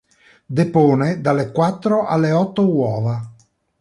Depone dalle quattro alle otto uova.